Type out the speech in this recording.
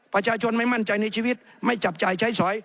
ประชาชนไม่มั่นใจในชีวิตไม่จับจ่ายใช้สอย